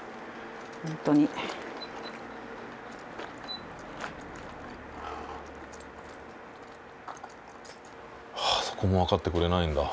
ほんとに。はあそこも分かってくれないんだ。